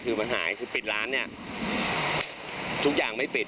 คือมันหายคือปิดร้านเนี่ยทุกอย่างไม่ปิด